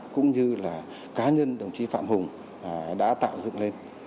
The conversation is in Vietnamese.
cũng như là cá nhân đồng chí phạm hùng đã tạo dựng lên